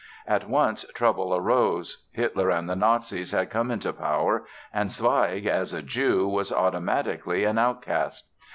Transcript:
At once trouble arose. Hitler and the Nazis had come into power and Zweig, as a Jew, was automatically an outcast.